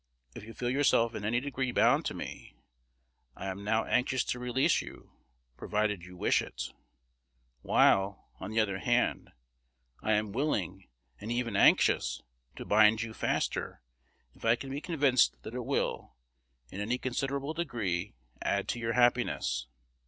If you feel yourself in any degree bound to me, I am now willing to release you, provided you wish it; while, on the other hand, I am willing, and even anxious, to bind you faster, if I can be convinced that it will, in any considerable degree, add to your happiness.